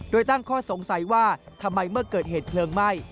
โดยตั้งข้อสงสัยว่าทำไมเมื่อเกิดเหตุเพลิงไหม้